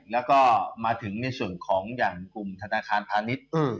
แล้วก็มาถึงในส่วนของอย่างกลุ่มธนาคารพาณิชย์